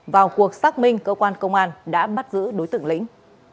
vào cuộc xác minh cơ quan công an đã bắt giữ đối tượng lĩnh